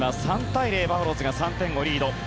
３対０バファローズが３点をリード。